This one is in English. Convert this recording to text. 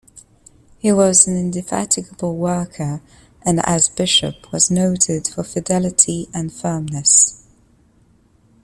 He was an indefatigable worker and as bishop was noted for fidelity and firmness.